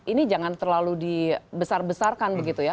ini jangan terlalu dibesar besarkan begitu ya